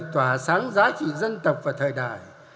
tỏa sáng giá trị dân tộc và thời đại